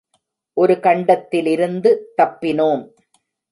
ஒரு கண்டத்திலிருந்து தப்பினோம்.